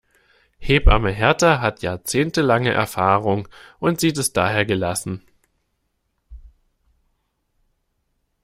Hebamme Hertha hat jahrzehntelange Erfahrung und sieht es daher gelassen.